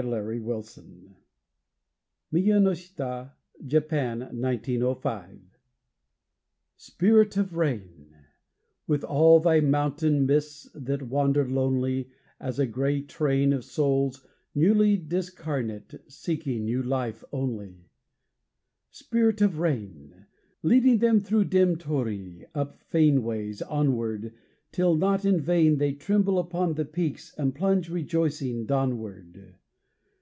SPIRIT OF RAIN (MIYANOSHITA, JAPAN, 1905) Spirit of rain With all thy mountain mists that wander lonely As a gray train Of souls newly discarnate seeking new life only! Spirit of rain! Leading them thro' dim torii, up fane ways onward Till not in vain They tremble upon the peaks and plunge rejoicing dawnward.